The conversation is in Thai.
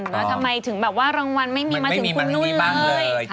แล้วทำไมถึงแบบว่ารางวัลไม่มีมาถึงคุณนุ่นเลย